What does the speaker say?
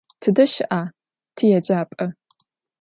Tıde şı'a tiêcap'e?